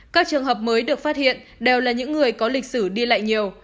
các trường hợp mới được phát hiện đều là những người có lịch sử đi lại nhiều